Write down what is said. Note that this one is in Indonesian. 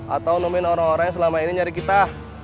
atau nemenin orang orang yang selama ini nyari kita